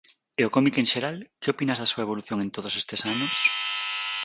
E o cómic en xeral, que opinas da súa evolución en todos estes anos?